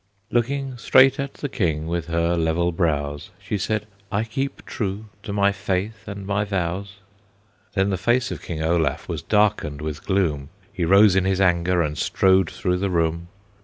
Looking straight at the King, with her level brows, She said, "I keep true to my faith and my vows." Then the face of King Olaf was darkened with gloom, He rose in his anger and strode through the room.